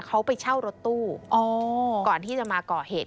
เขาไปเช่ารถตู้ก่อนที่จะมาก่อเหตุ